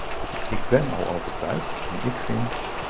Ik ben al overtuigd en ik vind ...